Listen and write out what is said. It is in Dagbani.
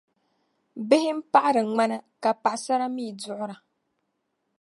Bihi n paɣiri ŋmana, ka paɣisara mii duɣira.